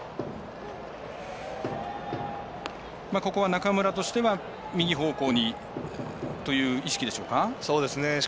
中村としては右方向にという意識でしょうか。